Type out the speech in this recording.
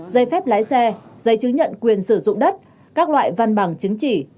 dây phép lái xe dây chứng nhận quyền sử dụng đất các loại văn bằng chứng chỉ